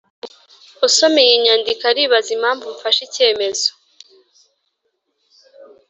Usoma iyi nyandiko aribaza impamvu mfashe icyemezo